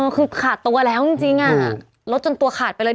คือขาดตัวแล้วจริงลดจนตัวขาดไปเลย